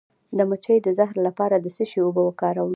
د مچۍ د زهر لپاره د څه شي اوبه وکاروم؟